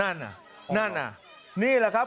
นั่นน่ะนี่แหละครับ